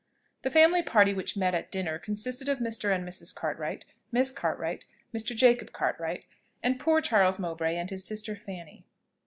The family party which met at dinner consisted of Mr. and Mrs. Cartwright, Miss Cartwright, Mr. Jacob Cartwright, and poor Charles Mowbray and his sister Fanny.